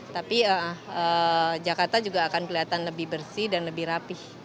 tapi jakarta juga akan kelihatan lebih bersih dan lebih rapih